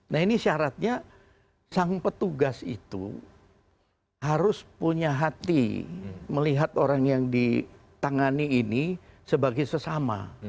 nah ini syaratnya sang petugas itu harus punya hati melihat orang yang ditangani ini sebagai sesama